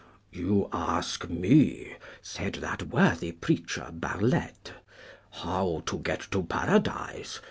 'You ask me,' said that worthy preacher Barlette, 'how to get to Paradise?